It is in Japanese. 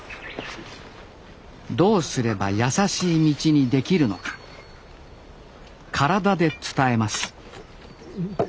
どうすればやさしい道にできるのか体で伝えます